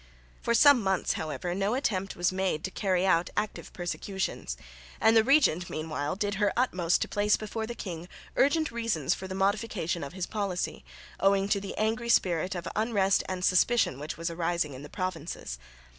For some months however no attempt was made to carry out active persecutions; and the regent meanwhile did her utmost to place before the king urgent reasons for the modification of his policy, owing to the angry spirit of unrest and suspicion which was arising in the provinces.